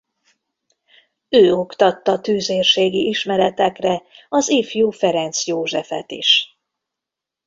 Ő oktatta tüzérségi ismeretekre az ifjú Ferenc Józsefet is.